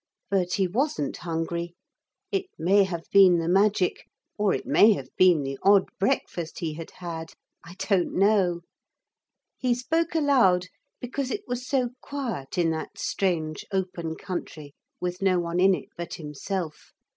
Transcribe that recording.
But he wasn't hungry. It may have been the magic, or it may have been the odd breakfast he had had. I don't know. He spoke aloud because it was so quiet in that strange open country with no one in it but himself.